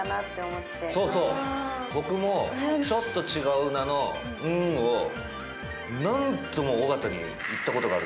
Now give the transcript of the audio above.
僕もちょっと違う名の「んー」を何度も尾形に言ったことがある。